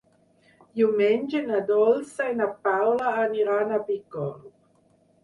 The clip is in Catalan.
Diumenge na Dolça i na Paula aniran a Bicorb.